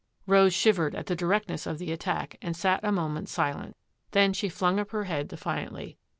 Rose shivered at the directness of the attack and sat a moment silent. Then she flung up her head defiantly.